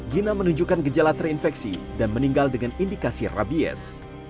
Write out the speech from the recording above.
gina menunjukkan gejala terinfeksi dan meninggal dengan indikasi rabies